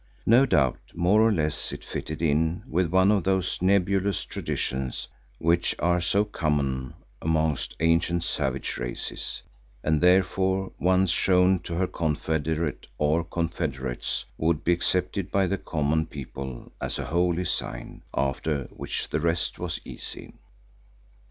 No doubt more or less it fitted in with one of those nebulous traditions which are so common amongst ancient savage races, and therefore once shown to her confederate, or confederates, would be accepted by the common people as a holy sign, after which the rest was easy.